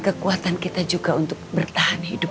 kekuatan kita juga untuk bertahan hidup